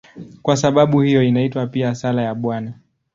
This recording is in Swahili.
Kwa sababu hiyo inaitwa pia "Sala ya Bwana".